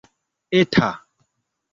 eta